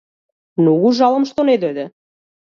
Многу жалам што не дојде.